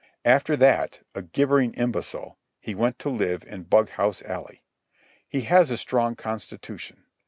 After that, a gibbering imbecile, he went to live in Bughouse Alley. He has a strong constitution.